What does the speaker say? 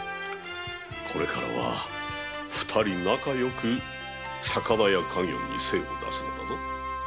これからは二人仲よく魚屋稼業に精を出すのだぞ。